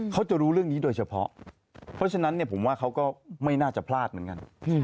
เขาจะรู้เรื่องนี้โดยเฉพาะเพราะฉะนั้นผมว่าเขาก็ไม่น่าจะพลาดเหมือนกัน